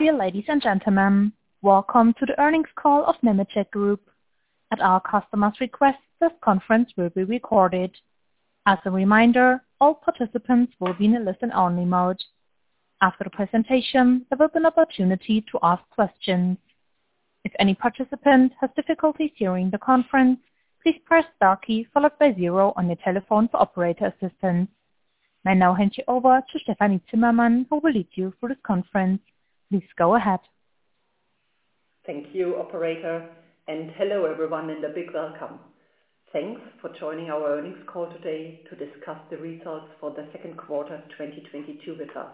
Dear ladies and gentlemen, welcome to the earnings call of Nemetschek Group. At our customer's request, this conference will be recorded. As a reminder, all participants will be in a listen-only mode. After the presentation, there will be an opportunity to ask questions. If any participant has difficulties hearing the conference, please press star key followed by zero on your telephone for operator assistance. I now hand you over to Stefanie Zimmermann who will lead you through the conference. Please go ahead. Thank you, operator, and hello, everyone and a big welcome. Thanks for joining our earnings call today to discuss the results for the second quarter of 2022 with us.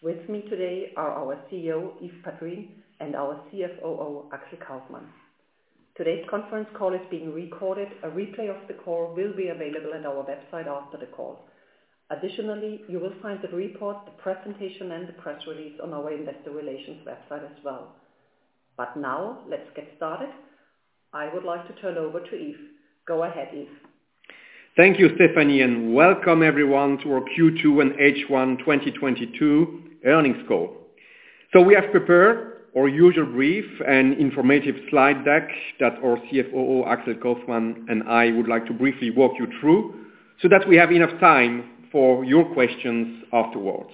With me today are our CEO, Yves Padrines, and our CFOO, Axel Kaufmann. Today's conference call is being recorded. A replay of the call will be available at our website after the call. Additionally, you will find the report, the presentation, and the press release on our investor relations website as well. Now let's get started. I would like to turn over to Yves. Go ahead, Yves. Thank you, Stefanie, and welcome everyone to our Q2 and H1 2022 earnings call. We have prepared our usual brief and informative slide deck that our CFOO, Axel Kaufmann, and I would like to briefly walk you through so that we have enough time for your questions afterwards.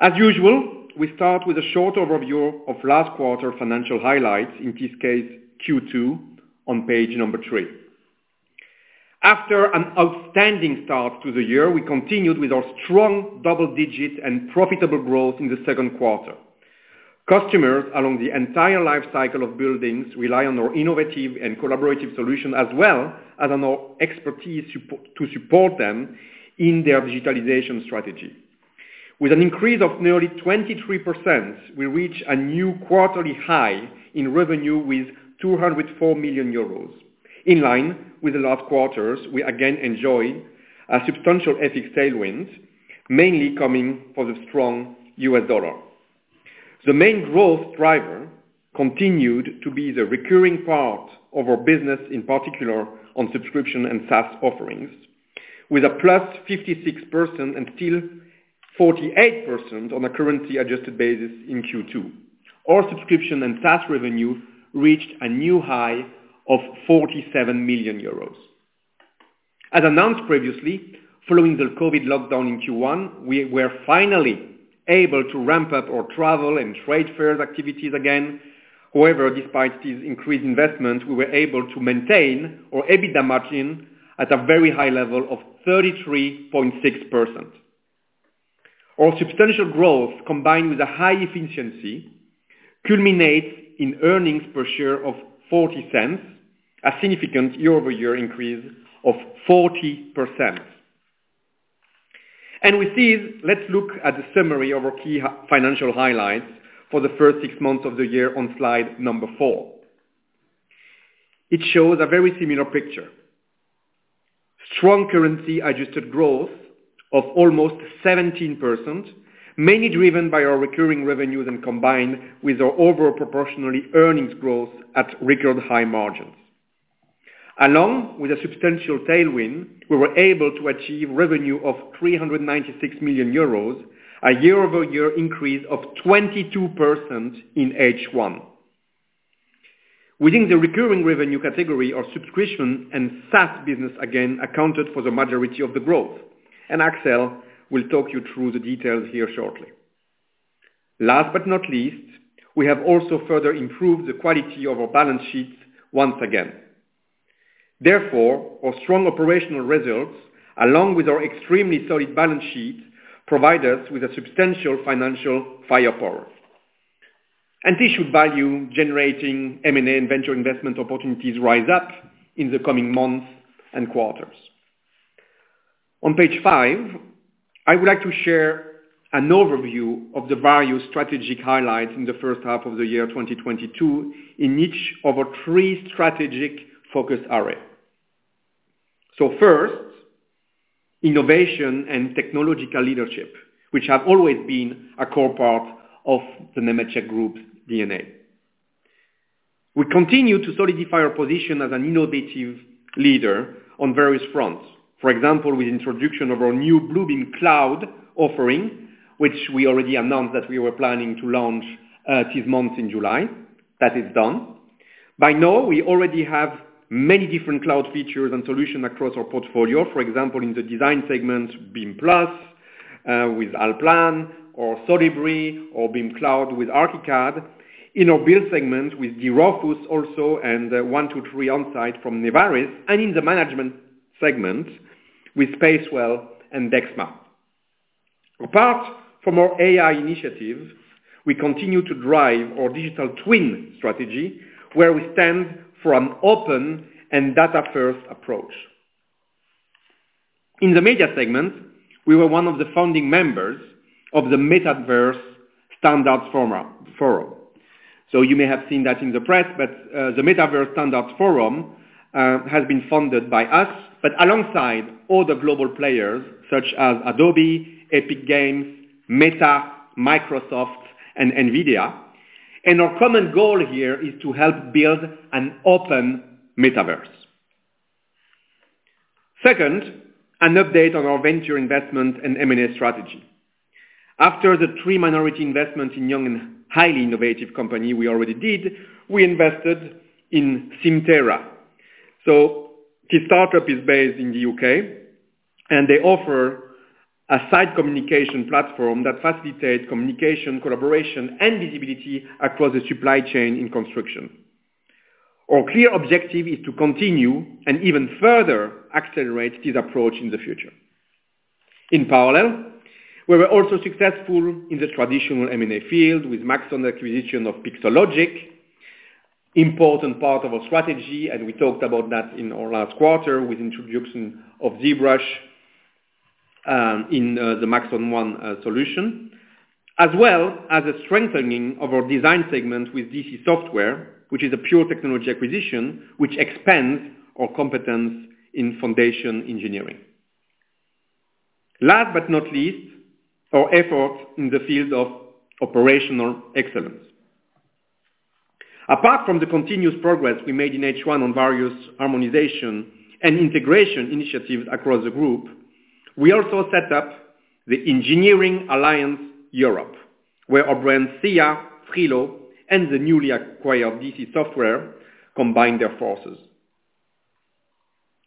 As usual, we start with a short overview of last quarter financial highlights, in this case, Q2 on page three. After an outstanding start to the year, we continued with our strong double digit and profitable growth in the second quarter. Customers along the entire life cycle of buildings rely on our innovative and collaborative solution as well as on our expertise to support them in their digitalization strategy. With an increase of nearly 23%, we reach a new quarterly high in revenue with 204 million euros. In line with the last quarters, we again enjoy a substantial FX tailwind, mainly coming from the strong US dollar. The main growth driver continued to be the recurring part of our business, in particular on subscription and SaaS offerings, with a +56% and still 48% on a currency-adjusted basis in Q2. Our subscription and SaaS revenue reached a new high of 47 million euros. As announced previously, following the COVID lockdown in Q1, we were finally able to ramp up our travel and trade fair activities again. However, despite these increased investments, we were able to maintain our EBITDA margin at a very high level of 33.6%. Our substantial growth, combined with a high efficiency, culminates in earnings per share of €0.40, a significant year-over-year increase of 40%. With this, let's look at the summary of our key financial highlights for the first six months of the year on slide number foufive. It shows a very similar picture. Strong currency adjusted growth of almost 17%, mainly driven by our recurring revenues and combined with our overall proportionally earnings growth at record high margins. Along with a substantial tailwind, we were able to achieve revenue of 396 million euros, a year-over-year increase of 22% in H1. Within the recurring revenue category, our subscription and SaaS business again accounted for the majority of the growth, and Axel will talk you through the details here shortly. Last but not least, we have also further improved the quality of our balance sheets once again. Therefore, our strong operational results, along with our extremely solid balance sheet, provide us with a substantial financial firepower. This should value-generating M&A and venture investment opportunities rise up in the coming months and quarters. On page five, I would like to share an overview of the value strategic highlights in the first half of the year 2022 in each of our three strategic focus areas. First, innovation and technological leadership, which have always been a core part of the Nemetschek Group D&A. We continue to solidify our position as an innovative leader on various fronts. For example, with introduction of our new Bluebeam Cloud offering, which we already announced that we were planning to launch, this month in July. That is done. By now, we already have many different cloud features and solutions across our portfolio. For example, in the design segment, Bimplus, with Allplan or Solibri or BIMcloud with Archicad. In our build segment with d.3ecoplus also and 123onsite from NEVARIS and in the management segment with Spacewell and Dexma. Apart from our AI initiatives, we continue to drive our digital twin strategy, where we stand for an open and data-first approach. In the media segment, we were one of the founding members of the Metaverse Standards Forum. You may have seen that in the press, but the Metaverse Standards Forum has been funded by us, but alongside all the global players such as Adobe, Epic Games, Meta, Microsoft and NVIDIA. Our common goal here is to help build an open metaverse. Second, an update on our venture investment and M&A strategy. After the three minority investments in young and highly innovative company we already did, we invested in SymTerra. This startup is based in the U.K., and they offer a site communication platform that facilitates communication, collaboration, and visibility across the supply chain in construction. Our clear objective is to continue and even further accelerate this approach in the future. In parallel, we were also successful in the traditional M&A field with Maxon acquisition of Pixologic, important part of our strategy, and we talked about that in our last quarter with introduction of ZBrush in the Maxon One solution, as well as a strengthening of our design segment with DC-Software, which is a pure technology acquisition, which expands our competence in foundation engineering. Last but not least, our effort in the field of operational excellence. Apart from the continuous progress we made in H1 on various harmonization and integration initiatives across the group, we also set up the Engineering Alliance Europe, where our brand SCIA, FRILO, and the newly acquired DC-Software combine their forces.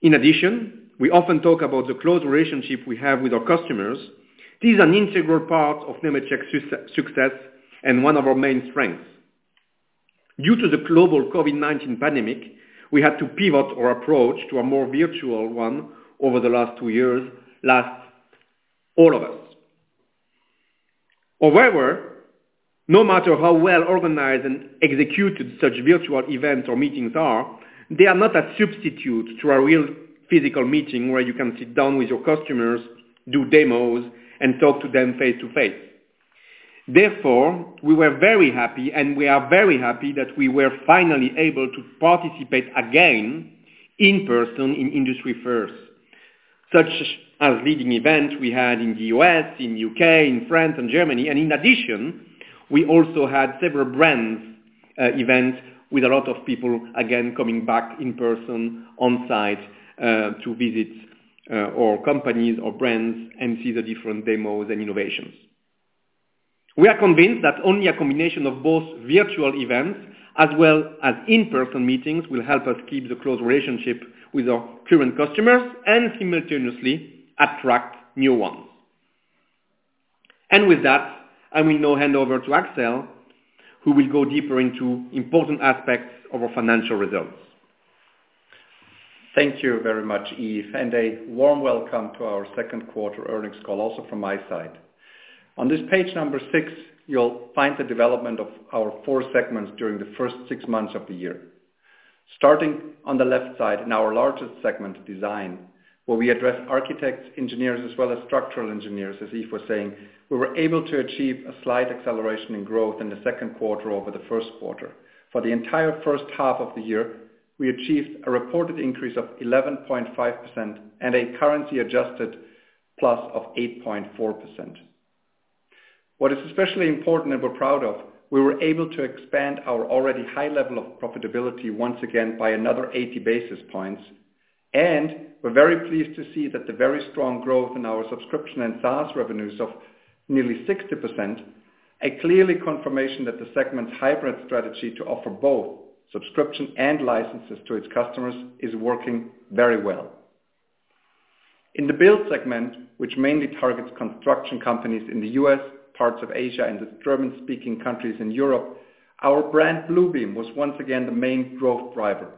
In addition, we often talk about the close relationship we have with our customers. This is an integral part of Nemetschek success and one of our main strengths. Due to the global COVID-19 pandemic, we had to pivot our approach to a more virtual one over the last two years affecting all of us. However, no matter how well organized and executed such virtual events or meetings are, they are not a substitute to a real physical meeting where you can sit down with your customers, do demos, and talk to them face-to-face. Therefore, we were very happy, and we are very happy that we were finally able to participate again in person in industry-first, such as leading events we had in the U.S., in U.K., in France and Germany. In addition, we also had several brands events with a lot of people, again, coming back in person on site to visit our companies or brands and see the different demos and innovations. We are convinced that only a combination of both virtual events as well as in-person meetings will help us keep the close relationship with our current customers and simultaneously attract new ones. With that, I will now hand over to Axel, who will go deeper into important aspects of our financial results. Thank you very much, Yves, and a warm welcome to our second quarter earnings call also from my side. On this page number six, you'll find the development of our four segments during the first six months of the year. Starting on the left side in our largest segment, design, where we address architects, engineers, as well as structural engineers, as Yves was saying, we were able to achieve a slight acceleration in growth in the second quarter over the first quarter. For the entire first half of the year, we achieved a reported increase of 11.5% and a currency adjusted plus of 8.4%. What is especially important and we're proud of, we were able to expand our already high level of profitability once again by another 80 basis points. We're very pleased to see that the very strong growth in our subscription and SaaS revenues of nearly 60%, a clear confirmation that the segment's hybrid strategy to offer both subscription and licenses to its customers is working very well. In the build segment, which mainly targets construction companies in the U.S., parts of Asia, and the German-speaking countries in Europe, our brand Bluebeam was once again the main growth driver,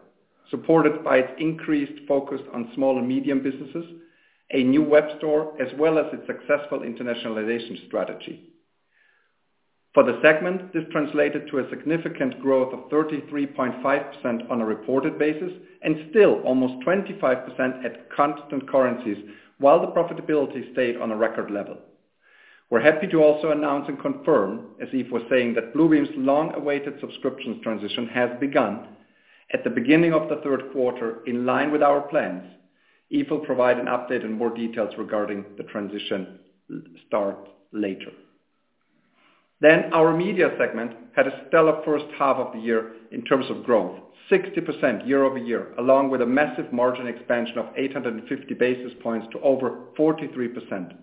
supported by its increased focus on small and medium businesses, a new web store, as well as its successful internationalization strategy. For the segment, this translated to a significant growth of 33.5% on a reported basis and still almost 25% at constant currencies while the profitability stayed on a record level. We're happy to also announce and confirm, as Yves was saying, that Bluebeam's long-awaited subscriptions transition has begun at the beginning of the third quarter in line with our plans. Yves will provide an update and more details regarding the transition later. Our media segment had a stellar first half of the year in terms of growth, 60% year-over-year, along with a massive margin expansion of 850 basis points to over 43%.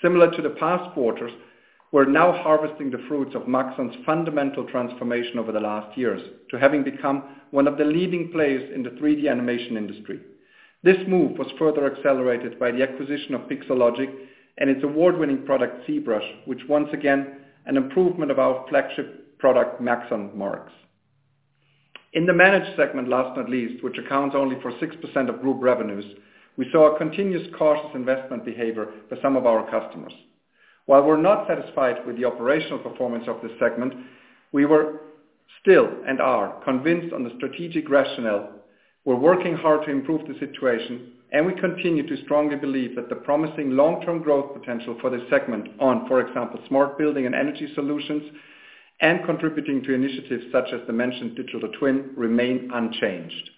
Similar to the past quarters, we're now harvesting the fruits of Maxon's fundamental transformation over the last years to having become one of the leading players in the 3D animation industry. This move was further accelerated by the acquisition of Pixologic and its award-winning product, ZBrush, which once again an improvement of our flagship product, Maxon One. In the Manage segment, last but not least, which accounts only for 6% of group revenues, we saw a continuous cautious investment behavior for some of our customers. While we're not satisfied with the operational performance of this segment, we were still and are convinced of the strategic rationale. We're working hard to improve the situation, and we continue to strongly believe that the promising long-term growth potential for this segment in, for example, smart building and energy solutions and contributing to initiatives such as the mentioned digital twin remain unchanged.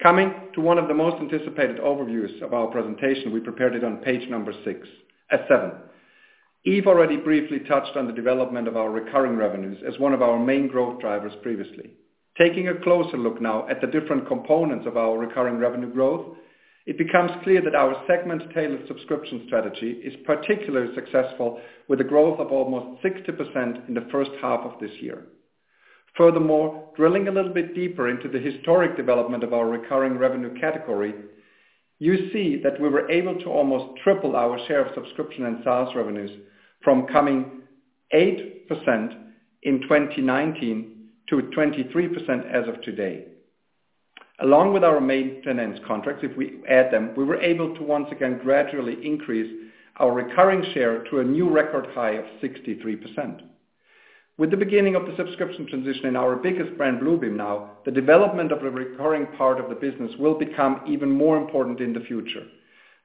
Coming to one of the most anticipated overviews of our presentation, we prepared it on page number six, seven. Yves already briefly touched on the development of our recurring revenues as one of our main growth drivers previously. Taking a closer look now at the different components of our recurring revenue growth, it becomes clear that our segment tailored subscription strategy is particularly successful with a growth of almost 60% in the first half of this year. Furthermore, drilling a little bit deeper into the historic development of our recurring revenue category, you see that we were able to almost triple our share of subscription and SaaS revenues from 8% in 2019 to 23% as of today. Along with our maintenance contracts, if we add them, we were able to once again gradually increase our recurring share to a new record high of 63%. With the beginning of the subscription transition in our biggest brand, Bluebeam now, the development of the recurring part of the business will become even more important in the future.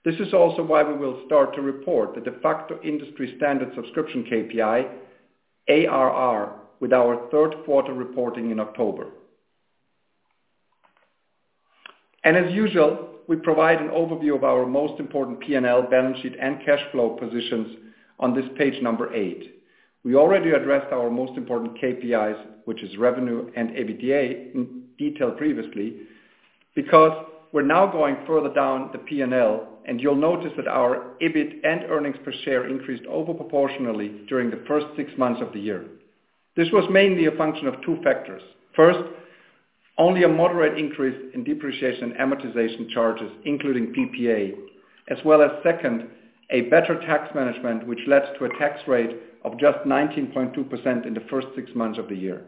This is also why we will start to report the de facto industry standard subscription KPI, ARR, with our third quarter reporting in October. As usual, we provide an overview of our most important P&L balance sheet and cash flow positions on this page number 8. We already addressed our most important KPIs, which is revenue and EBITDA in detail previously, because we're now going further down the P&L, and you'll notice that our EBIT and earnings per share increased over proportionally during the first six months of the year. This was mainly a function of two factors. First, only a moderate increase in depreciation and amortization charges, including PPA, as well as second, a better tax management, which led to a tax rate of just 19.2% in the first six months of the year.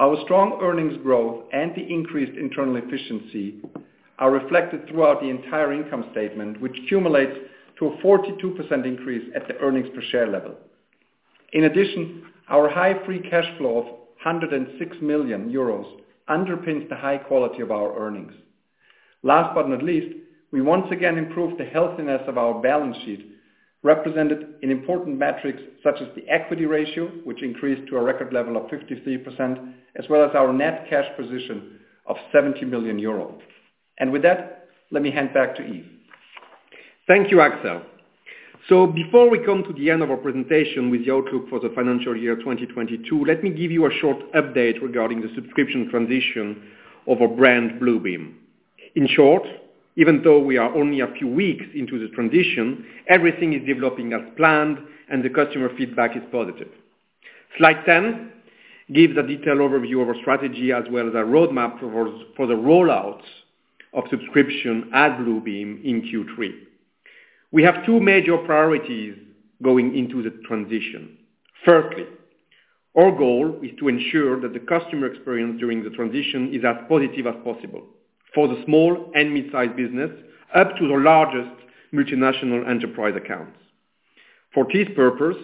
Our strong earnings growth and the increased internal efficiency are reflected throughout the entire income statement, which cumulates to a 42% increase at the earnings per share level. In addition, our high free cash flow of 106 million euros underpins the high quality of our earnings. Last but not least, we once again improved the healthiness of our balance sheet, represented in important metrics such as the equity ratio, which increased to a record level of 53%, as well as our net cash position of 70 million euros. With that, let me hand back to Yves. Thank you, Axel. Before we come to the end of our presentation with the outlook for the financial year 2022, let me give you a short update regarding the subscription transition of our brand Bluebeam. In short, even though we are only a few weeks into the transition, everything is developing as planned and the customer feedback is positive. Slide 10 gives a detailed overview of our strategy as well as a roadmap for the roll-out of subscription at Bluebeam in Q3. We have two major priorities going into the transition. Firstly, our goal is to ensure that the customer experience during the transition is as positive as possible for the small and mid-sized business, up to the largest multinational enterprise accounts. For this purpose,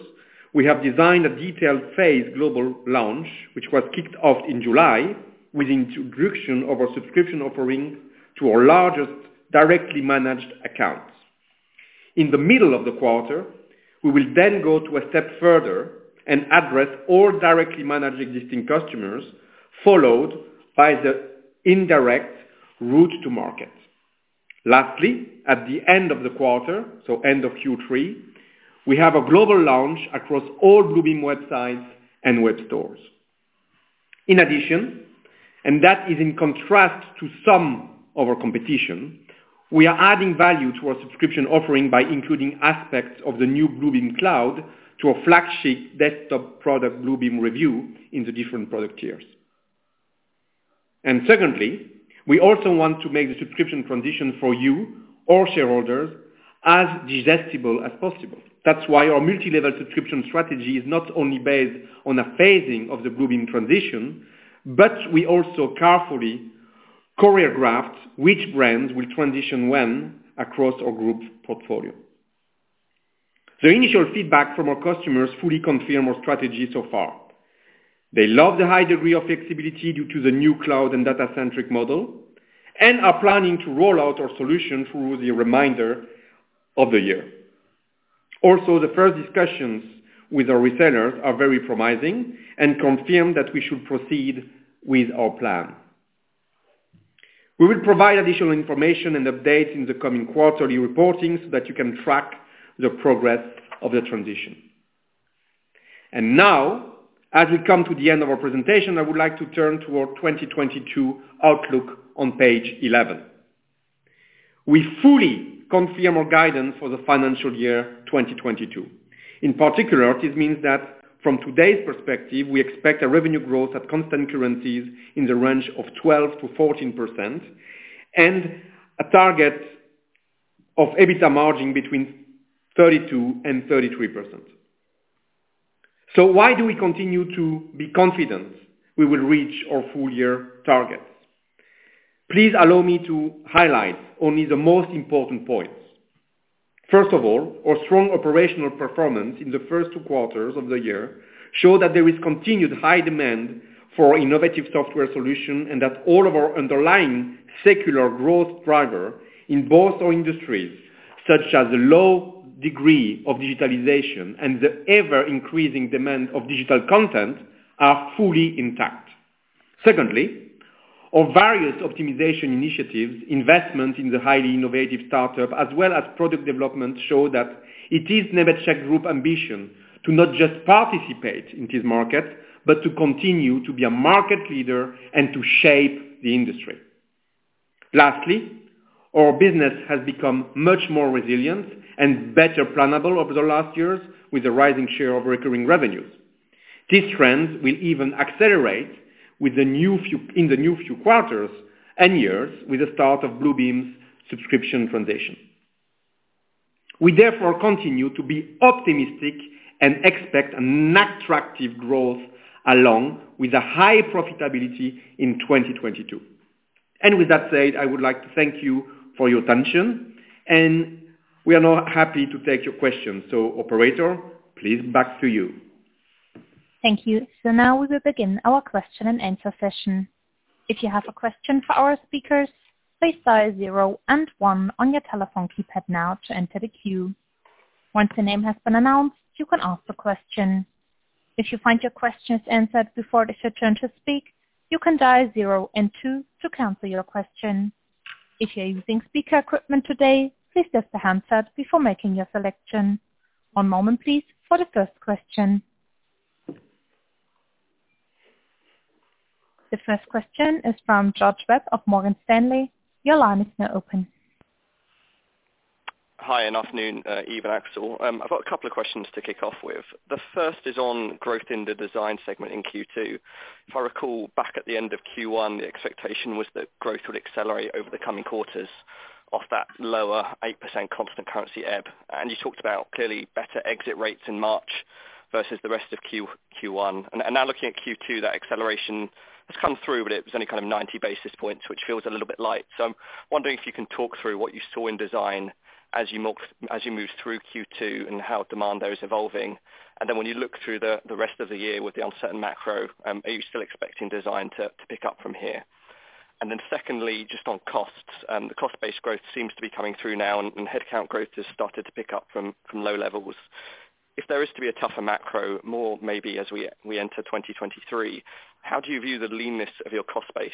we have designed a detailed phased global launch, which was kicked off in July with introduction of our subscription offering to our largest directly managed accounts. In the middle of the quarter, we will then take a step further and address all directly managed existing customers, followed by the indirect route to market. Lastly, at the end of the quarter, so end of Q3, we have a global launch across all Bluebeam websites and web stores. In addition, and that is in contrast to some of our competition, we are adding value to our subscription offering by including aspects of the new Bluebeam Cloud to a flagship desktop product, Bluebeam Revu, in the different product tiers. Secondly, we also want to make the subscription transition for you, our shareholders, as digestible as possible. That's why our multi-level subscription strategy is not only based on a phasing of the Bluebeam transition, but we also carefully choreograph which brands will transition when across our group portfolio. The initial feedback from our customers fully confirm our strategy so far. They love the high degree of flexibility due to the new cloud and data centric model, and are planning to roll out our solution through the remainder of the year. Also, the first discussions with our retailers are very promising and confirm that we should proceed with our plan. We will provide additional information and updates in the coming quarterly reporting so that you can track the progress of the transition. Now, as we come to the end of our presentation, I would like to turn toward 2022 outlook on page 11. We fully confirm our guidance for the financial year 2022. In particular, this means that from today's perspective, we expect a revenue growth at constant currencies in the range of 12%-14% and a target of EBITDA margin between 32%-33%. Why do we continue to be confident we will reach our full year targets? Please allow me to highlight only the most important points. First of all, our strong operational performance in the first two quarters of the year show that there is continued high demand for innovative software solution and that all of our underlying secular growth driver in both our industries, such as the low degree of digitalization and the ever-increasing demand of digital content are fully intact. Secondly, our various optimization initiatives, investment in the highly innovative startup as well as product development show that it is Nemetschek Group ambition to not just participate in this market, but to continue to be a market leader and to shape the industry. Lastly, our business has become much more resilient and better plannable over the last years with a rising share of recurring revenues. This trend will even accelerate with the next few quarters and years with the start of Bluebeam's subscription foundation. We therefore continue to be optimistic and expect an attractive growth along with a high profitability in 2022. With that said, I would like to thank you for your attention, and we are now happy to take your questions. Operator, please back to you. Thank you. Now we will begin our question and answer session. If you have a question for our speakers, please dial zero and one on your telephone keypad now to enter the queue. Once your name has been announced, you can ask the question. If you find your questions answered before it is your turn to speak, you can dial zero and two to cancel your question. If you're using speaker equipment today, please test the handset before making your selection. One moment please for the first question. The first question is from George Webb of Morgan Stanley. Your line is now open. Hi, good afternoon, Yves and Axel. I've got a couple of questions to kick off with. The first is on growth in the design segment in Q2. If I recall back at the end of Q1, the expectation was that growth would accelerate over the coming quarters from that lower 8% constant currency. You talked about clearly better exit rates in March versus the rest of Q1. Now looking at Q2, that acceleration has come through, but it was only kind of 90 basis points, which feels a little bit light. I'm wondering if you can talk through what you saw in design as you moved through Q2 and how demand there is evolving. When you look through the rest of the year with the uncertain macro, are you still expecting design to pick up from here? Secondly, just on costs. The cost-based growth seems to be coming through now and head count growth has started to pick up from low levels. If there is to be a tougher macro, more maybe as we enter 2023, how do you view the leanness of your cost base?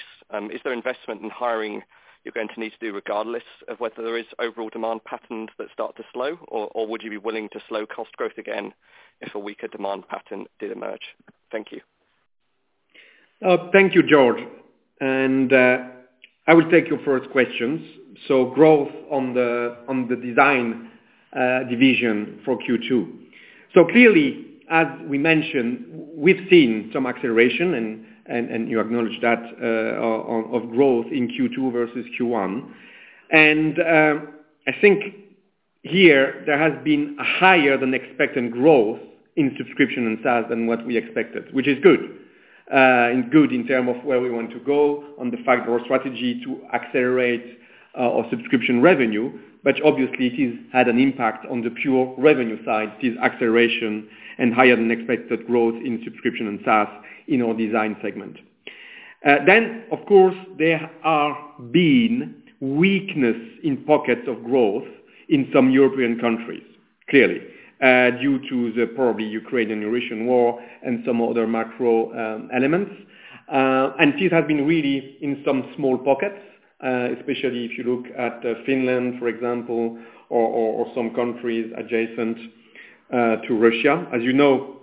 Is there investment in hiring you're going to need to do regardless of whether there is overall demand patterns that start to slow, or would you be willing to slow cost growth again if a weaker demand pattern did emerge? Thank you. Thank you, George. I will take your first questions. Growth on the design division for Q2. Clearly, as we mentioned, we've seen some acceleration and you acknowledge that of growth in Q2 versus Q1. I think here there has been a higher than expected growth in subscription and sales than what we expected, which is good. Good in terms of where we want to go on the fact our strategy to accelerate our subscription revenue. Obviously it has had an impact on the perpetual revenue side, this acceleration and higher than expected growth in subscription and SaaS in our design segment. Of course, there has been weakness in pockets of growth in some European countries, clearly due to, probably, the Ukrainian-Russian war and some other macro elements. This has been really in some small pockets, especially if you look at Finland, for example, or some countries adjacent to Russia. As you know,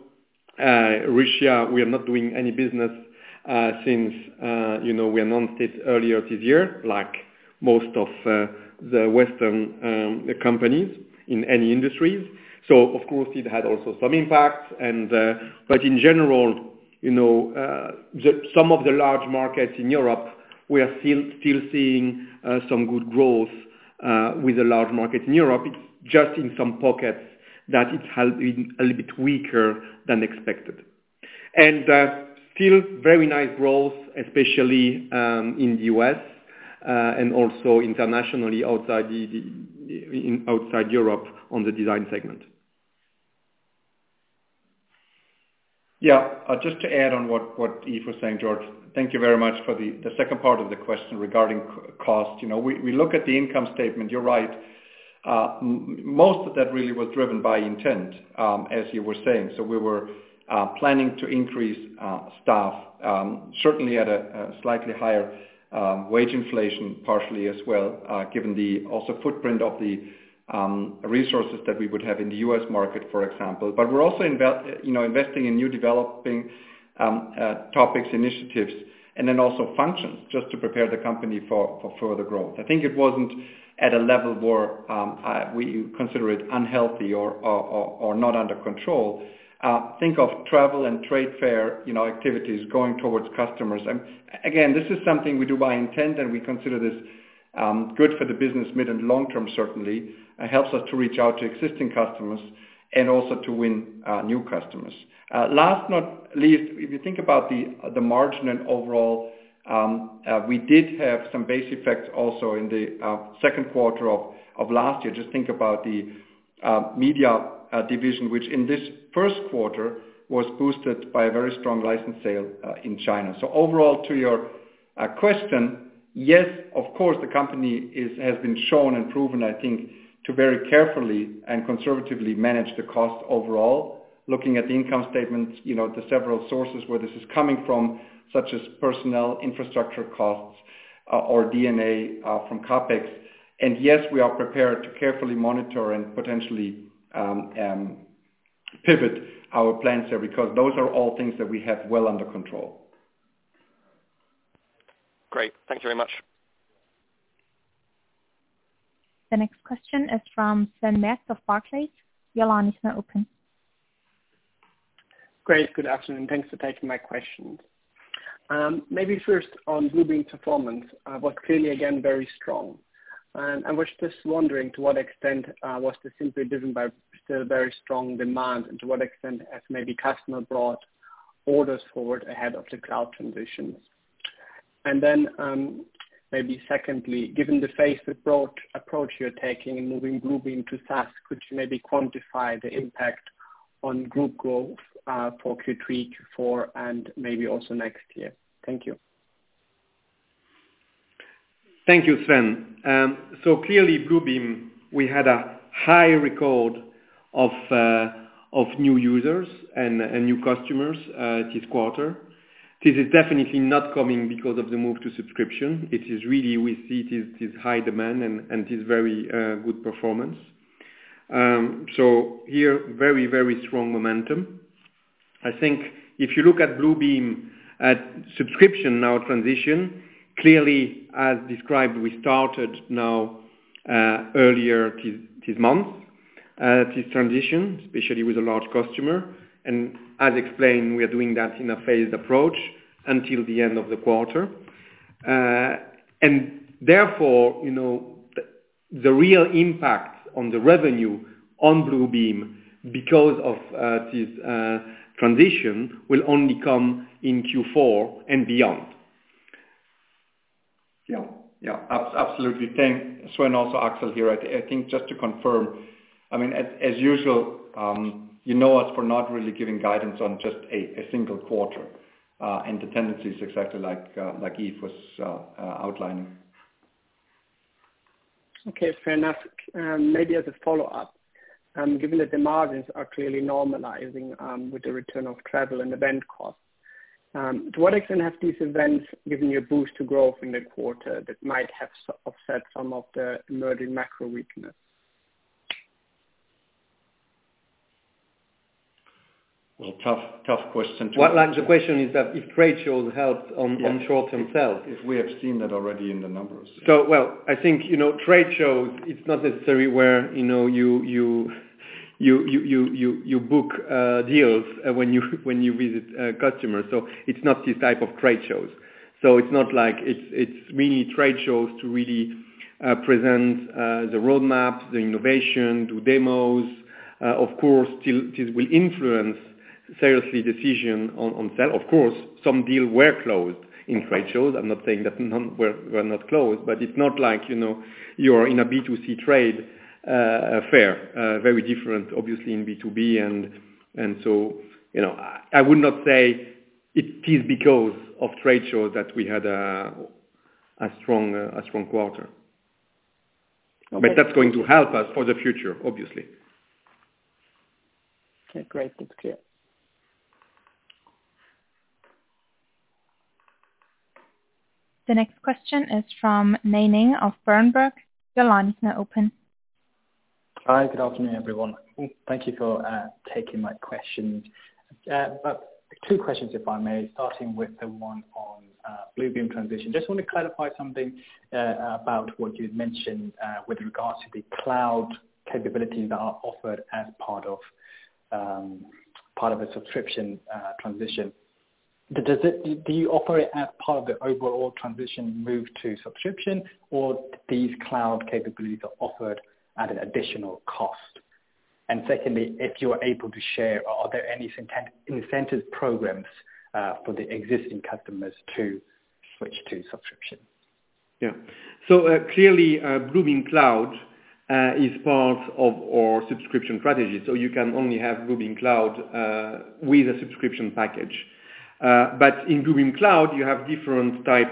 Russia, we are not doing any business since you know, we announced it earlier this year, like most of the Western companies in any industries. Of course it had also some impact. But in general, you know, some of the large markets in Europe, we are still seeing some good growth with the large market in Europe. It's just in some pockets that it has been a little bit weaker than expected. Still very nice growth, especially in U.S. and also internationally outside Europe on the design segment. Just to add on what Yves was saying, George, thank you very much for the second part of the question regarding cost. You know, we look at the income statement, you're right. Most of that really was driven by investment, as you were saying. We were planning to increase staff certainly at a slightly higher wage inflation partially as well, given the also footprint of the resources that we would have in the U.S. market, for example. But we're also, you know, investing in new developing topics, initiatives, and then also functions just to prepare the company for further growth. I think it wasn't at a level where we consider it unhealthy or not under control. Think of travel and trade fair, you know, activities going towards customers. This is something we do by intent, and we consider this good for the business mid and long term certainly. It helps us to reach out to existing customers and also to win new customers. Last but not least, if you think about the margin and overall, we did have some base effects also in the second quarter of last year. Just think about the media division, which in this first quarter was boosted by a very strong license sale in China. Overall to your- A question, yes, of course, the company is, has been shown and proven, I think, to very carefully and conservatively manage the cost overall. Looking at the income statements, you know, the several sources where this is coming from, such as personnel, infrastructure costs, or D&A, from CapEx. Yes, we are prepared to carefully monitor and potentially pivot our plans there because those are all things that we have well under control. Great. Thank you very much. The next question is from Sven Merkt of Barclays. Your line is now open. Great, good afternoon. Thanks for taking my questions. Maybe first on Bluebeam performance, was clearly again very strong. I was just wondering to what extent was this simply driven by still very strong demand and to what extent have customers brought orders forward ahead of the cloud transitions? Maybe secondly, given the phased approach you're taking in moving Bluebeam to SaaS, could you maybe quantify the impact on Group growth for Q3, Q4, and maybe also next year? Thank you. Thank you, Sven. So clearly, Bluebeam, we had a record high of new users and new customers this quarter. This is definitely not coming because of the move to subscription. It is really we see this high demand and this very good performance. So here very strong momentum. I think if you look at Bluebeam's subscription transition, clearly as described, we started this transition earlier this month, especially with a large customer. As explained, we are doing that in a phased approach until the end of the quarter. Therefore, the real impact on Bluebeam's revenue because of this transition will only come in Q4 and beyond. Yeah. Absolutely. Thanks, Sven, also Axel here. I think just to confirm, I mean, as usual, you know us for not really giving guidance on just a single quarter, and the tendency is exactly like Yves was outlining. Okay, fair enough. Maybe as a follow-up, given that the margins are clearly normalizing, with the return of travel and event costs, to what extent have these events given you a boost to growth in the quarter that might have offset some of the emerging macro weakness? Tough question. The question is that if trade shows helped on short-term sales. If we have seen that already in the numbers. Well, I think, you know, trade shows, it's not necessarily where, you know, you book deals when you visit a customer. It's not this type of trade shows. It's not like it's mainly trade shows to really present the roadmaps, the innovation, do demos. Of course, still this will influence seriously decision on sale. Of course, some deal were closed in trade shows. I'm not saying that none were not closed, but it's not like, you know, you're in a B2C trade fair, very different obviously in B2B. You know, I would not say it is because of trade shows that we had a strong quarter. Okay. That's going to help us for the future, obviously. Okay, great. That's clear. The next question is from Nay Soe Naing of Berenberg. Your line is now open. Hi, good afternoon, everyone. Thank you for taking my questions. Two questions if I may, starting with the one on Bluebeam transition. Just wanna clarify something about what you'd mentioned with regards to the cloud capabilities that are offered as part of a subscription transition. Do you offer it as part of the overall transition move to subscription or these cloud capabilities are offered at an additional cost? Secondly, if you are able to share, are there any incentive programs for the existing customers to switch to subscription? Yeah. Clearly, Bluebeam Cloud is part of our subscription strategy. You can only have Bluebeam Cloud with a subscription package. In Bluebeam Cloud, you have different type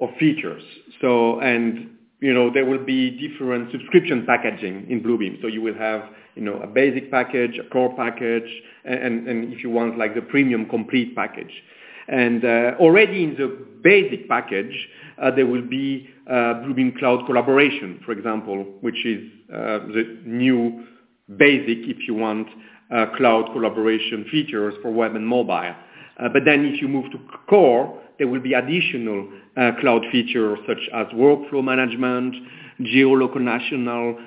of features. You know, there will be different subscription packaging in Bluebeam. You will have, you know, a basic package, a core package, and if you want like the premium complete package. Already in the basic package, there will be Bluebeam Cloud Collaboration, for example, which is the new basic if you want cloud collaboration features for web and mobile. Then if you move to core, there will be additional cloud features such as workflow management, geolocation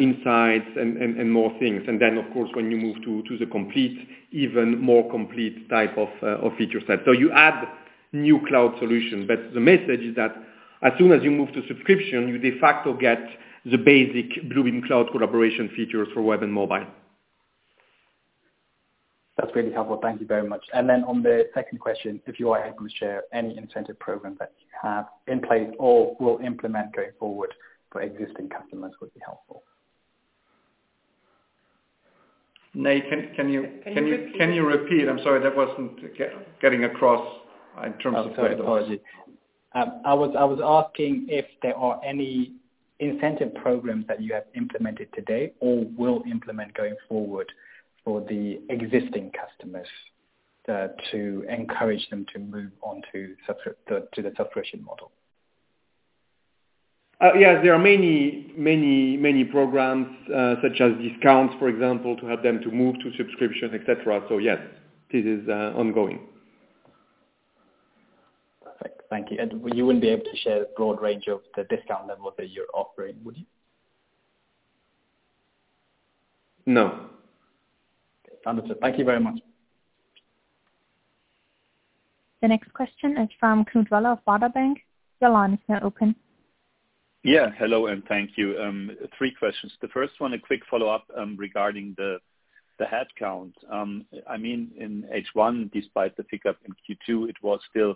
insights and more things. Of course, when you move to the even more complete type of feature set. You add new cloud solution, but the message is that as soon as you move to subscription, you de facto get the basic Bluebeam Cloud collaboration features for web and mobile. That's really helpful. Thank you very much. On the second question, if you are able to share any incentive programs that you have in place or will implement going forward for existing customers would be helpful. Nay Soe Naing, can you repeat? I'm sorry, that wasn't getting across in terms of. I'm sorry, apologies. I was asking if there are any incentive programs that you have implemented today or will implement going forward for the existing customers, to encourage them to move on to the subscription model. Yes, there are many programs, such as discounts, for example, to help them to move to subscription, et cetera. Yes, this is ongoing. Perfect. Thank you. You wouldn't be able to share a broad range of the discount levels that you're offering, would you? No. Understood. Thank you very much. The next question is from Knut Woller of Baader Bank. Your line is now open. Hello, and thank you. Three questions. The first one, a quick follow-up regarding the headcount. I mean, in H1, despite the pickup in Q2, it was still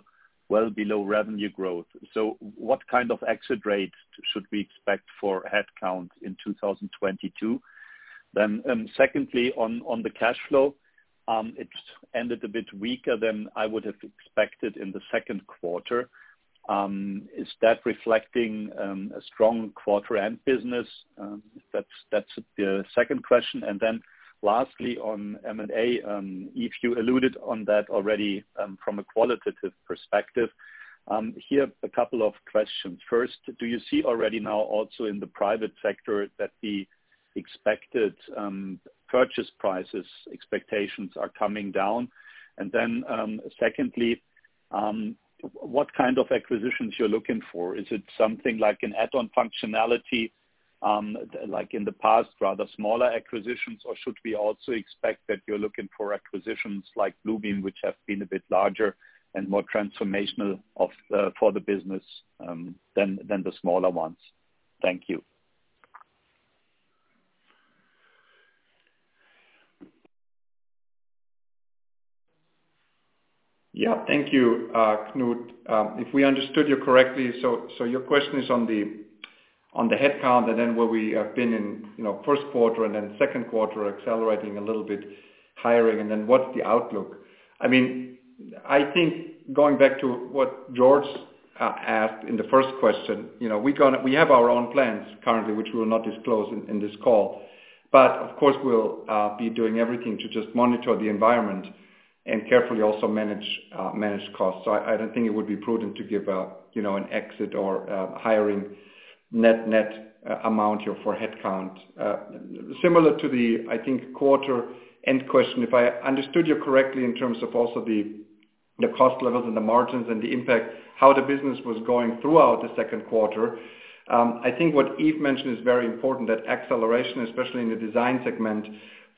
well below revenue growth. What kind of exit rates should we expect for headcount in 2022? Secondly, on the cash flow, it's ended a bit weaker than I would have expected in the second quarter. Is that reflecting a strong quarter-end business? That's the second question. Lastly, on M&A, if you alluded to that already, from a qualitative perspective, here are a couple of questions. First, do you see already now also in the private sector that the expected purchase price expectations are coming down? Secondly, what kind of acquisitions you're looking for? Is it something like an add-on functionality, like in the past, rather smaller acquisitions, or should we also expect that you're looking for acquisitions like Bluebeam, which have been a bit larger and more transformational for the business, than the smaller ones? Thank you. Yeah. Thank you, Knut. If we understood you correctly, your question is on the headcount, and then where we have been in first quarter and then second quarter, accelerating a little bit, hiring, and then what's the outlook? I mean, I think going back to what George asked in the first question, you know, we have our own plans currently, which we'll not disclose in this call. Of course, we'll be doing everything to just monitor the environment and carefully also manage costs. I don't think it would be prudent to give a, you know, an exit or hiring net amount here for headcount. Similar to the, I think, quarter end question, if I understood you correctly in terms of also the cost levels and the margins and the impact, how the business was going throughout the second quarter, I think what Yves mentioned is very important, that acceleration, especially in the design segment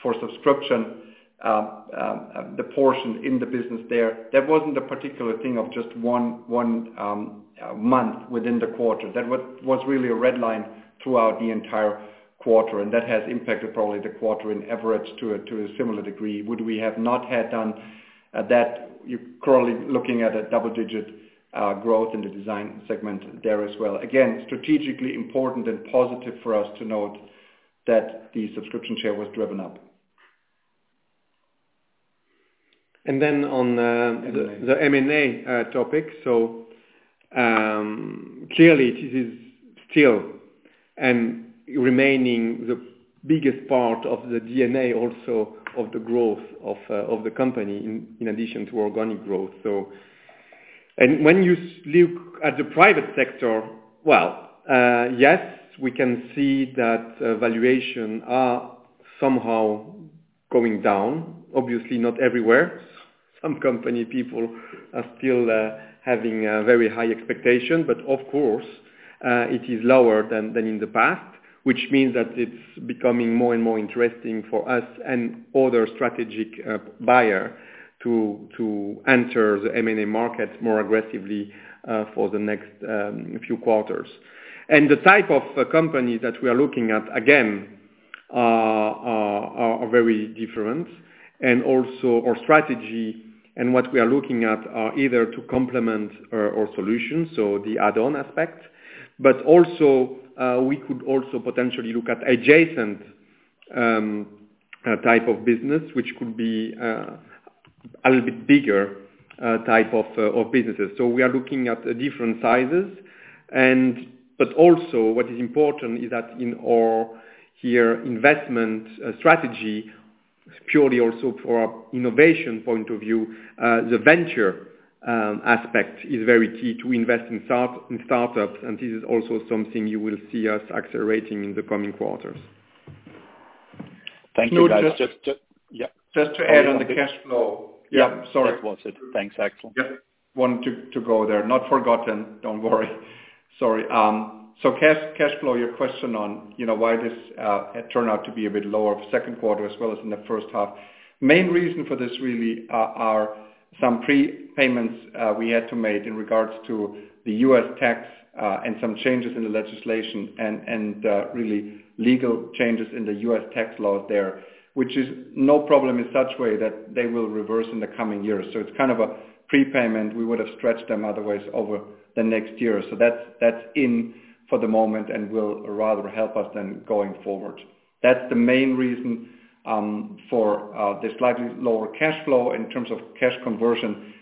for subscription, the portion in the business there, that wasn't a particular thing of just one month within the quarter. That was really a red line throughout the entire quarter, and that has impacted probably the quarter in average to a similar degree. Would we have not had done that, you're currently looking at a double-digit growth in the design segment there as well. Again, strategically important and positive for us to note that the subscription share was driven up. And then on, uh- M&A. The M&A topic. Clearly this is still remaining the biggest part of the D&A, also of the growth of the company in addition to organic growth. When you look at the private sector, yes, we can see that valuations are somehow going down, obviously not everywhere. Some company people are still having a very high expectation. Of course, it is lower than in the past, which means that it's becoming more and more interesting for us and other strategic buyer to enter the M&A market more aggressively for the next few quarters. The type of companies that we are looking at, again, are very different. Also our strategy and what we are looking at are either to complement our solutions, so the add-on aspect. Also, we could also potentially look at adjacent type of businesses, which could be a little bit bigger. We are looking at different sizes. Also what is important is that in our acquisition strategy, purely also for our innovation point of view, the venture aspect is very key to invest in startups, and this is also something you will see us accelerating in the coming quarters. Thank you, guys. Knut, just. Yeah. Just to add on the cash flow. Yeah. Sorry. That was it. Thanks, Axel. Yep. Wanted to go there. Not forgotten. Don't worry. Sorry. Cash flow, your question on, you know, why this turned out to be a bit lower second quarter as well as in the first half. Main reason for this really are some prepayments we had to make in regard to the U.S. tax and some changes in the legislation and really legal changes in the U.S. tax law there, which is no problem in such way that they will reverse in the coming years. It's kind of a prepayment. We would have stretched them otherwise over the next year. That's in for the moment and will rather help us than going forward. That's the main reason for the slightly lower cash flow in terms of cash conversion.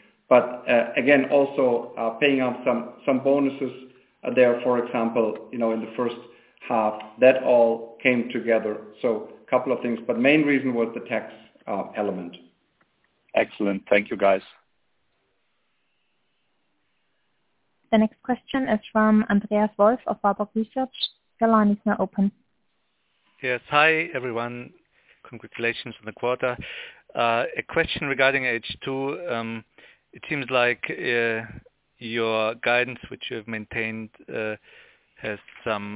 Again, also, paying out some bonuses there, for example, you know, in the first Half that all came together. Couple of things, but main reason was the tax element. Excellent. Thank you, guys. The next question is from Andreas Wolf of Warburg Research. Your line is now open. Yes. Hi, everyone. Congratulations on the quarter. A question regarding H2. It seems like your guidance, which you've maintained, has some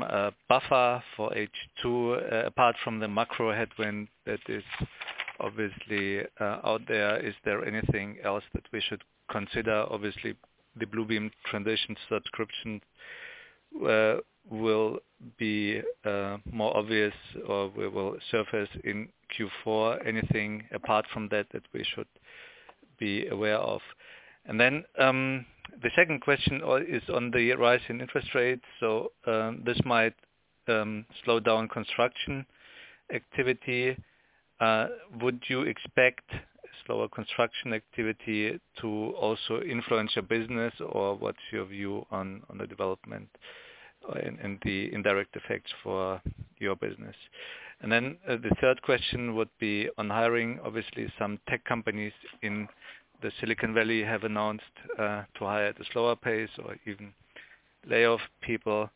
buffer for H2, apart from the macro headwind that is obviously out there. Is there anything else that we should consider? Obviously, the Bluebeam transition subscription will be more obvious or will surface in Q4. Anything apart from that that we should be aware of? The second question is on the rise in interest rates, so this might slow down construction activity. Would you expect slower construction activity to also influence your business, or what's your view on the development and the indirect effects for your business? The third question would be on hiring. Obviously, some tech companies in the Silicon Valley have announced to hire at a slower pace or even lay off people.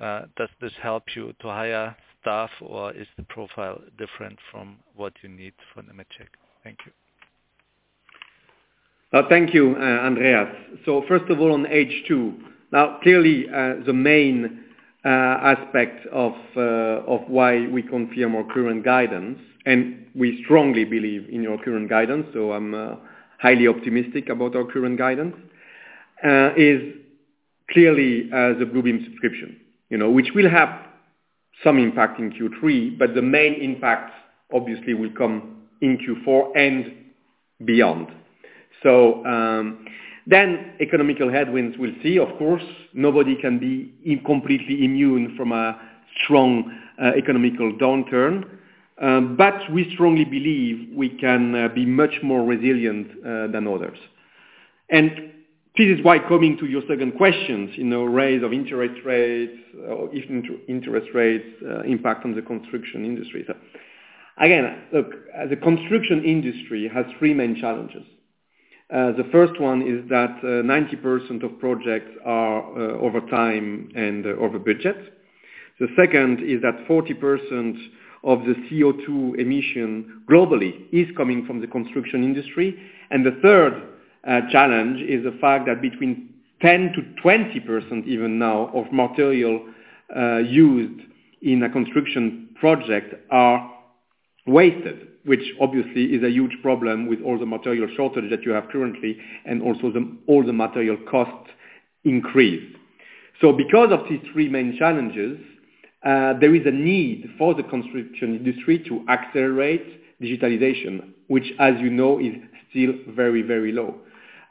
Does this help you to hire staff, or is the profile different from what you need for Nemetschek? Thank you. Thank you, Andreas. First of all, on H2, now clearly, the main aspect of why we confirm our current guidance, and we strongly believe in our current guidance, so I'm highly optimistic about our current guidance, is clearly as a Bluebeam subscription. You know, which will have some impact in Q3, but the main impact obviously will come in Q4 and beyond. Then economic headwinds, we'll see. Of course, nobody can be completely immune from a strong, economic downturn, but we strongly believe we can be much more resilient than others. This is why coming to your second questions, you know, rise of interest rates or even interest rates, impact on the construction industry. Again, look, the construction industry has three main challenges. The first one is that 90% of projects are over time and over budget. The second is that 40% of the CO2 emission globally is coming from the construction industry. The third challenge is the fact that between 10%-20% even now of material used in a construction project are wasted, which obviously is a huge problem with all the material shortage that you have currently, and also all the material costs increase. Because of these three main challenges, there is a need for the construction industry to accelerate digitalization, which as you know, is still very, very low.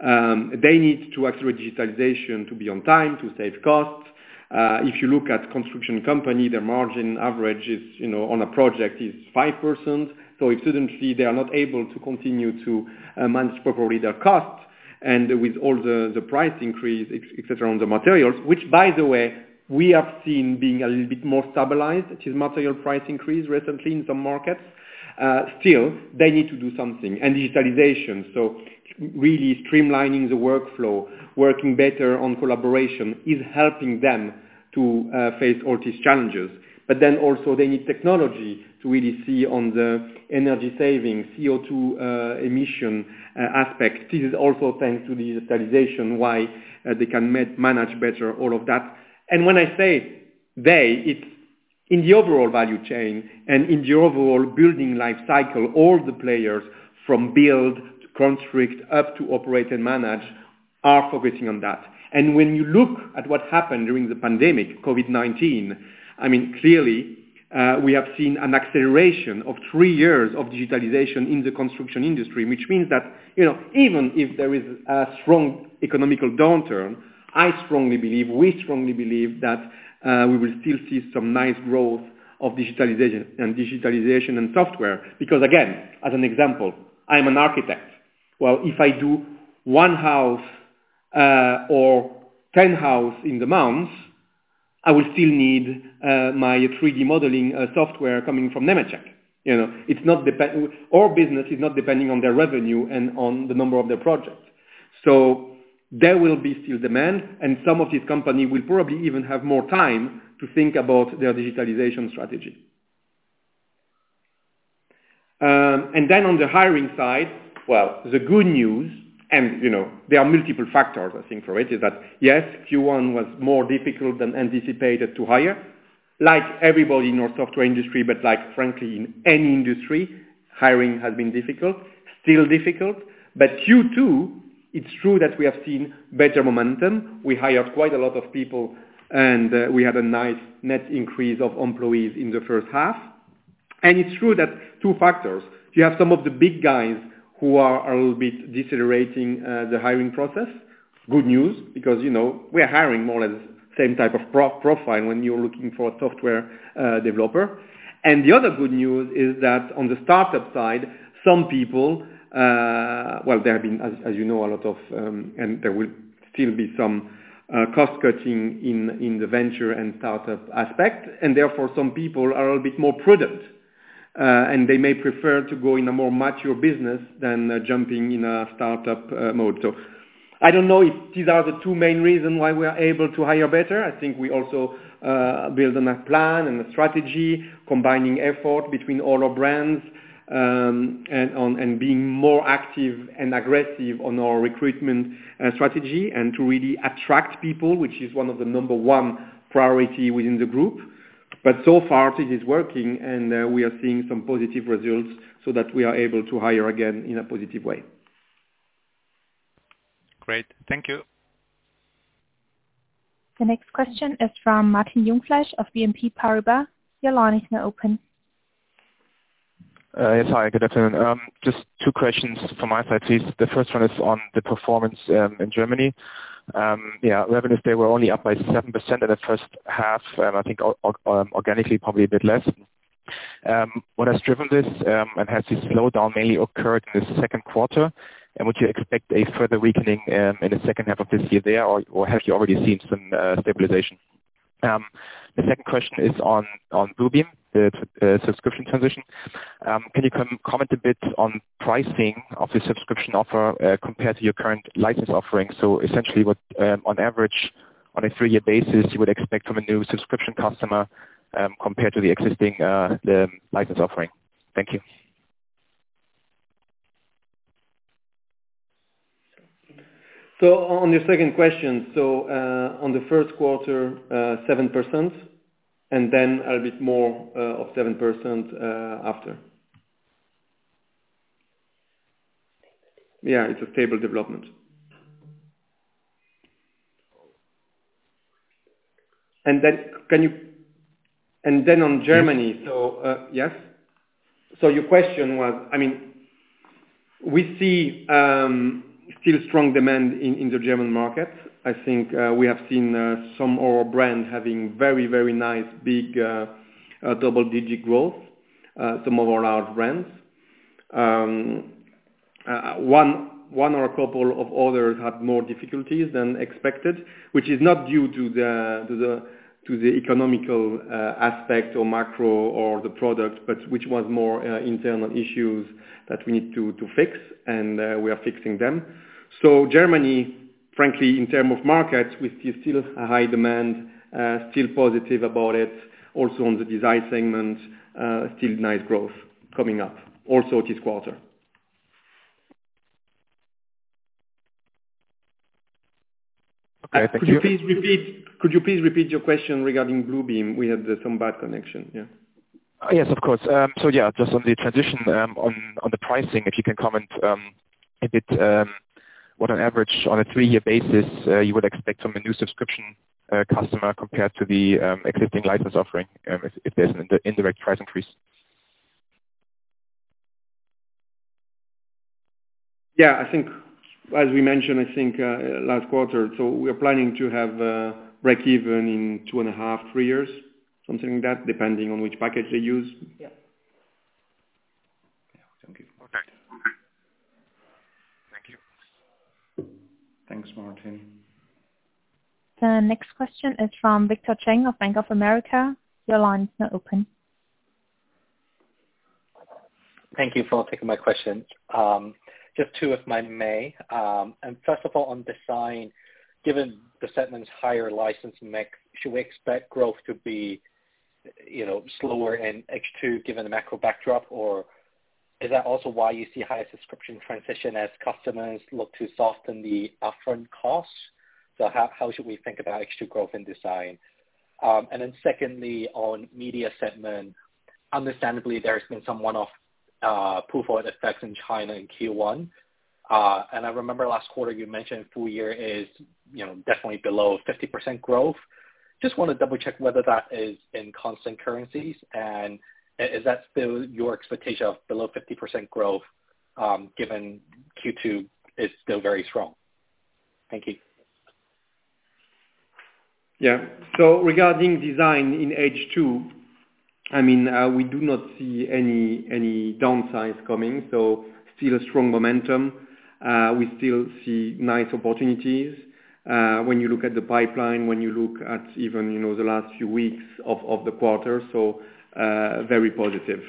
They need to accelerate digitalization to be on time, to save costs. If you look at construction company, their margin average is, you know, on a project is 5%. If suddenly they are not able to continue to manage properly their costs, and with all the price increase, et cetera, on the materials, which by the way, we have seen being a little bit more stabilized, which is material price increase recently in some markets. Still, they need to do something. Digitalization, so really streamlining the workflow, working better on collaboration is helping them to face all these challenges. They also need technology to really see on the energy savings, CO2 emission aspect. This is also thanks to the digitalization, why they can manage better all of that. When I say they, it is in the overall value chain and in the overall building life cycle, all the players from build to construct up to operate and manage are focusing on that. When you look at what happened during the pandemic, COVID-19, I mean, clearly, we have seen an acceleration of three years of digitalization in the construction industry, which means that, you know, even if there is a strong economic downturn, I strongly believe, we strongly believe that, we will still see some nice growth of digitalization and software. Because again, as an example, I'm an architect. Well, if I do one house, or 10 houses in the month, I will still need, my 3D modeling, software coming from Nemetschek. You know, it's not depending, our business is not depending on their revenue and on the number of their projects. So there will be still demand, and some of these companies will probably even have more time to think about their digitalization strategy. On the hiring side, well, the good news and, you know, there are multiple factors I think for it, is that, yes, Q1 was more difficult than anticipated to hire, like everybody in our software industry, but like frankly in any industry, hiring has been difficult, still difficult. Q2, it's true that we have seen better momentum. We hired quite a lot of people, and we had a nice net increase of employees in the first half. It's true that two factors, you have some of the big guys who are a little bit decelerating the hiring process. Good news, because, you know, we are hiring more or less same type of profile when you're looking for a software developer. The other good news is that on the startup side, some people, well, there have been, as you know, a lot of, and there will still be some, cost cutting in the venture and startup aspect, and therefore some people are a bit more prudent, and they may prefer to go in a more mature business than jumping in a startup mode. I don't know if these are the two main reasons why we are able to hire better. I think we also build on a plan and a strategy combining effort between all our brands, and being more active and aggressive on our recruitment strategy and to really attract people, which is one of the number one priority within the group. So far, it is working and we are seeing some positive results so that we are able to hire again in a positive way. Great. Thank you. The next question is from Martin Jungfleisch of BNP Paribas. Your line is now open. Yes, hi. Good afternoon. Just two questions from my side, please. The first one is on the performance in Germany. Yeah, revenues, they were only up by 7% in the first half, I think or, organically probably a bit less. What has driven this, and has this slowdown mainly occurred in the second quarter? Would you expect a further weakening in the second half of this year there or, have you already seen some stabilization? The second question is on Bluebeam, the subscription transition. Can you comment a bit on pricing of the subscription offer compared to your current license offering? So essentially what, on average on a three-year basis you would expect from a new subscription customer compared to the existing, the license offering? Thank you. On your second question, on the first quarter, 7% and then a bit more of 7% after. Yeah, it's a stable development. On Germany, yes. Your question was, I mean, we see still strong demand in the German market. I think we have seen some of our brands having very nice big double-digit growth, some of our large brands. One or a couple of others had more difficulties than expected, which is not due to the economic aspect or macro or the product, but which was more internal issues that we need to fix and we are fixing them. Germany, frankly, in terms of markets, we see still a high demand, still positive about it. Also on the design segment, still nice growth coming up also this quarter. Okay. Thank you. Could you please repeat your question regarding Bluebeam? We had some bad connection. Yeah. Yes, of course. Yeah, just on the transition, on the pricing, if you can comment a bit, what on average on a three-year basis you would expect from a new subscription customer compared to the existing license offering, if there's an indirect price increase? Yeah, I think as we mentioned, I think last quarter, so we are planning to have breakeven in 2.5-three years, something like that, depending on which package they use. Yeah. Thank you. Thanks, Martin. The next question is from Victor Cheng of Bank of America. Your line is now open. Thank you for taking my question. Just two if I may. First of all, on design, given the segment's higher license mix, should we expect growth to be, you know, slower in H2 given the macro backdrop, or is that also why you see higher subscription transition as customers look to soften the upfront costs? How should we think about H2 growth in design? Secondly, on media segment, understandably there's been some one-off pull forward effects in China in Q1. I remember last quarter you mentioned full year is, you know, definitely below 50% growth. Just wanna double check whether that is in constant currencies and is that still your expectation of below 50% growth, given Q2 is still very strong? Thank you. Yeah. Regarding design in H2, I mean, we do not see any downsides coming, still a strong momentum. We still see nice opportunities, when you look at the pipeline, when you look at even, you know, the last few weeks of the quarter. Very positive.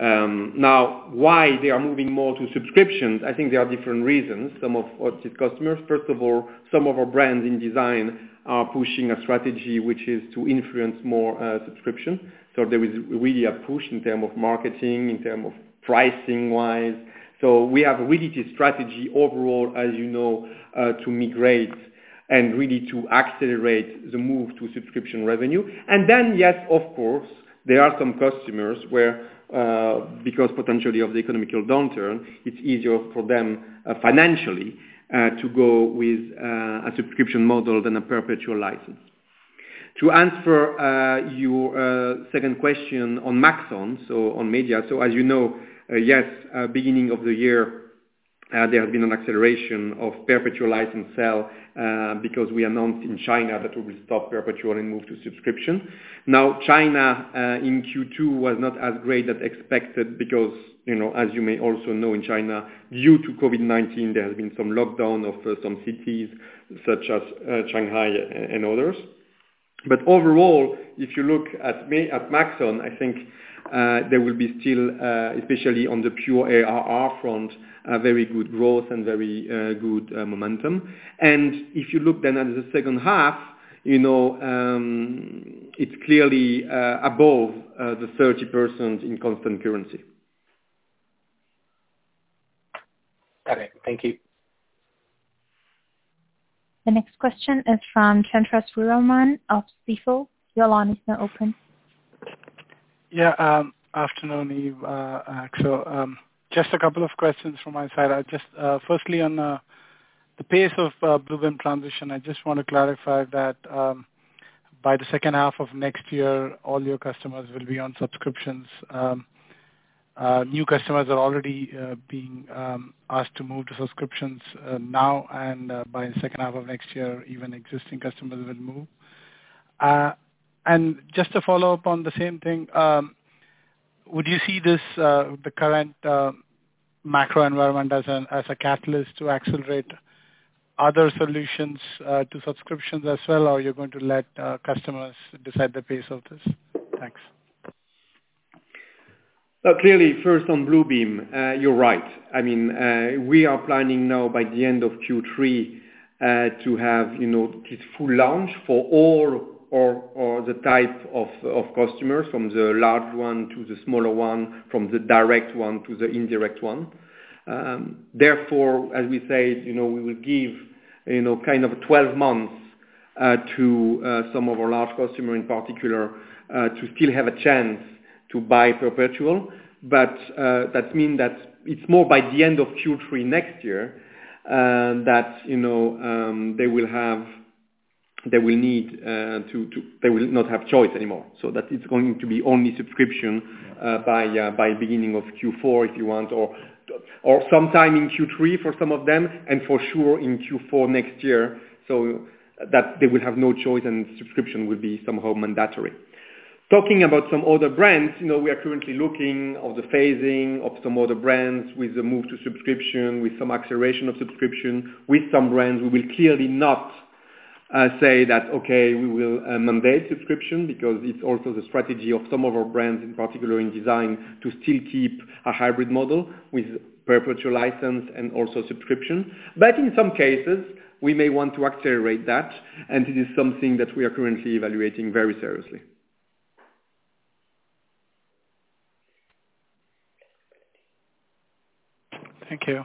Now why they are moving more to subscriptions, I think there are different reasons. Some of our customers, first of all, some of our brands in design are pushing a strategy which is to influence more subscription. There is really a push in terms of marketing, in terms of pricing-wise. We have really the strategy overall, as you know, to migrate and really to accelerate the move to subscription revenue. Yes, of course, there are some customers where, because potentially of the economic downturn, it's easier for them, financially, to go with a subscription model than a perpetual license. To answer your second question on Maxon, so on media. As you know, beginning of the year, there has been an acceleration of perpetual license sales, because we announced in China that we will stop perpetual and move to subscription. Now, China in Q2 was not as great as expected because, you know, as you may also know in China, due to COVID-19 there has been some lockdown of some cities such as Shanghai and others. Overall, if you look at Maxon, I think there will be still, especially on the pure ARR front, a very good growth and very good momentum. If you look then at the second half, you know, it's clearly above the 30% in constant currency. Okay, thank you. The next question is from Chandramouli Sriraman of Jefferies. Your line is now open. Yeah. Afternoon, Yves, Axel. Just a couple of questions from my side. Firstly on the pace of Bluebeam transition, I just wanna clarify that by the second half of next year, all your customers will be on subscriptions. New customers are already being asked to move to subscriptions now and by the second half of next year, even existing customers will move. Just to follow up on the same thing, would you see the current macro environment as a catalyst to accelerate other solutions to subscriptions as well, or you're going to let customers decide the pace of this? Thanks. Clearly first on Bluebeam, you're right. I mean, we are planning now by the end of Q3 to have, you know, it's full launch for all or the type of customers from the large one to the smaller one, from the direct one to the indirect one. Therefore, as we said, you know, we will give, you know, kind of 12 months to some of our large customer in particular to still have a chance to buy perpetual. That mean that it's more by the end of Q3 next year, you know, they will not have choice anymore. That is going to be only subscription by beginning of Q4, if you want, or sometime in Q3 for some of them, and for sure in Q4 next year, so that they will have no choice and subscription will be somehow mandatory. Talking about some other brands, you know, we are currently looking at the phasing of some other brands with the move to subscription, with some acceleration of subscription. With some brands, we will clearly not say that, "Okay, we will mandate subscription," because it is also the strategy of some of our brands, in particular in design, to still keep a hybrid model with perpetual license and also subscription. But in some cases, we may want to accelerate that, and it is something that we are currently evaluating very seriously. Thank you.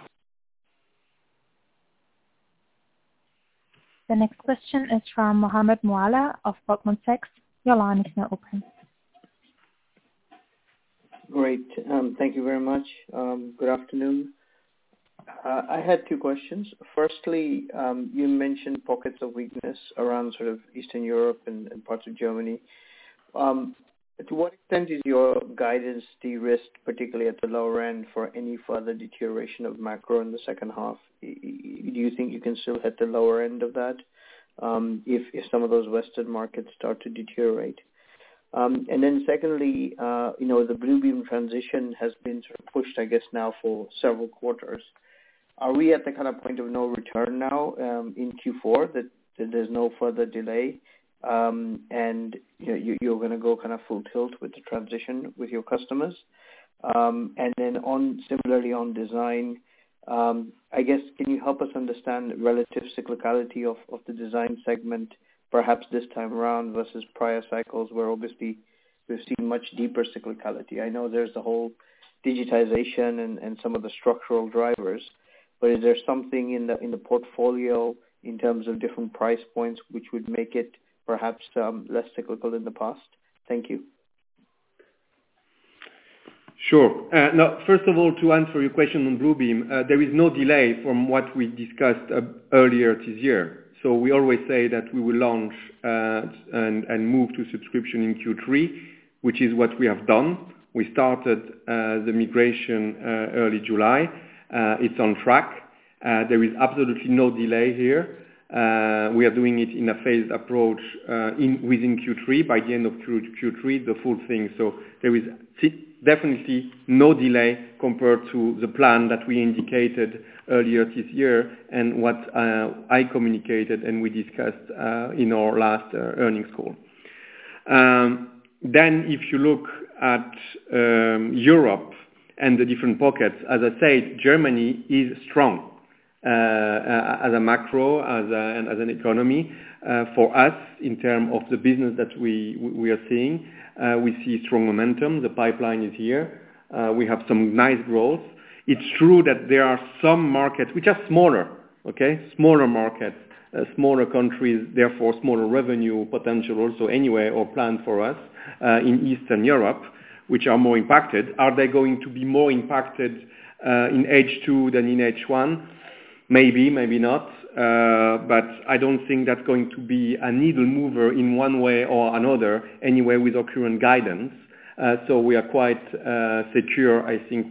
The next question is from Mohammed Moawalla of Goldman Sachs. Your line is now open. Great. Thank you very much. Good afternoon. I had two questions. Firstly, you mentioned pockets of weakness around sort of Eastern Europe and parts of Germany. To what extent is your guidance de-risked, particularly at the lower end, for any further deterioration of macro in the second half? Do you think you can still hit the lower end of that, if some of those Western markets start to deteriorate? And then secondly, you know, the Bluebeam transition has been sort of pushed, I guess, now for several quarters. Are we at the kind of point of no return now, in Q4, that there's no further delay, and you know, you're gonna go kind of full tilt with the transition with your customers? Similarly on design, I guess, can you help us understand relative cyclicality of the design segment, perhaps this time around versus prior cycles where obviously we've seen much deeper cyclicality? I know there's the whole digitization and some of the structural drivers, but is there something in the portfolio in terms of different price points which would make it perhaps less cyclical than the past? Thank you. Sure. Now, first of all, to answer your question on Bluebeam, there is no delay from what we discussed earlier this year. We always say that we will launch and move to subscription in Q3, which is what we have done. We started the migration early July. It's on track. There is absolutely no delay here. We are doing it in a phased approach within Q3. By the end of Q3, the full thing. There is definitely no delay compared to the plan that we indicated earlier this year and what I communicated and we discussed in our last earnings call. If you look at Europe and the different pockets, as I said, Germany is strong as a macro as an economy for us in terms of the business that we are seeing. We see strong momentum. The pipeline is here. We have some nice growth. It's true that there are some markets which are smaller, okay? Smaller markets, smaller countries, therefore smaller revenue potential also anyway or planned for us in Eastern Europe, which are more impacted. Are they going to be more impacted in H2 than in H1? Maybe, maybe not. I don't think that's going to be a needle mover in one way or another anyway with our current guidance. We are quite secure, I think.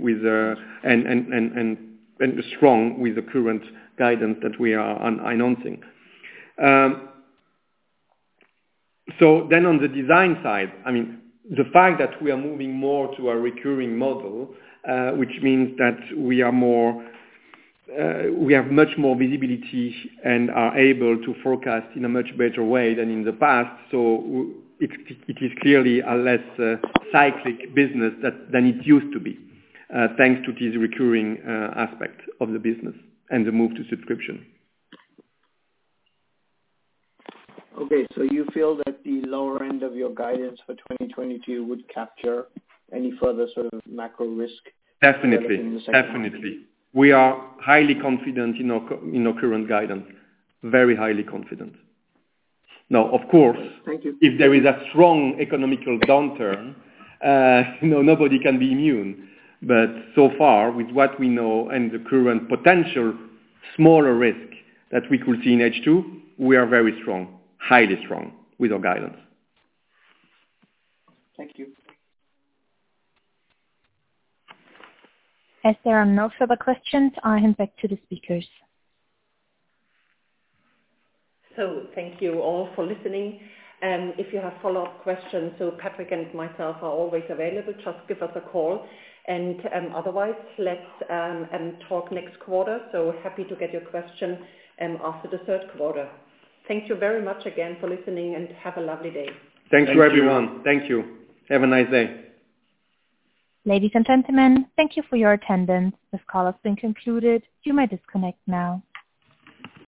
Strong with the current guidance that we are announcing. On the design side, I mean, the fact that we are moving more to a recurring model, which means that we are more, we have much more visibility and are able to forecast in a much better way than in the past. It is clearly a less cyclical business than it used to be, thanks to this recurring aspect of the business and the move to subscription. You feel that the lower end of your guidance for 2022 would capture any further sort of macro risk? Definitely. In the second half? Definitely. We are highly confident in our current guidance. Very highly confident. Now, of course. Thank you. If there is a strong economic downturn, nobody can be immune. So far, with what we know and the current potential smaller risk that we could see in H2, we are very strong, highly strong with our guidance. Thank you. As there are no further questions, I hand back to the speakers. Thank you all for listening. If you have follow-up questions, Patrick and myself are always available. Just give us a call. Otherwise, let's talk next quarter. Happy to get your question after the third quarter. Thank you very much again for listening, and have a lovely day. Thank you, everyone. Thank you. Thank you. Have a nice day. Ladies and gentlemen, thank you for your attendance. This call has been concluded. You may disconnect now.